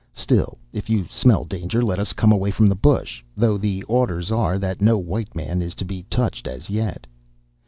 'Still, if you smell danger, let us come away from the bush, though the orders are that no white man is to be touched as yet.